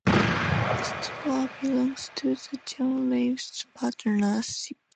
The store belongs to the John Lewis Partnership.